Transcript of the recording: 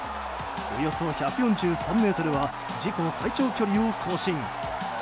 およそ１４３ｍは自己最長距離を更新。